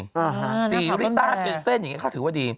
อาฮาสี่อุริ๊ตาเกินเส้นแบบนี้เขาถือว่าดี